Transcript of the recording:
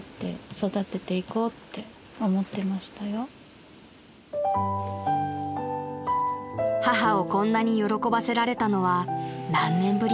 ［母をこんなに喜ばせられたのは何年ぶりだったでしょう］